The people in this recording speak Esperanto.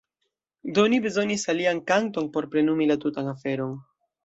Do ni bezonis alian kanton por plenumi la tutan aferon.